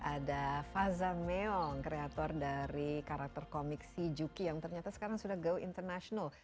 ada faza meong kreator dari karakter komik si juki yang ternyata sekarang sudah go international